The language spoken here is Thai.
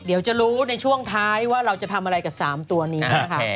เดี๋ยวจะรู้ในช่วงท้ายว่าเราจะทำอะไรกับ๓ตัวนี้นะคะ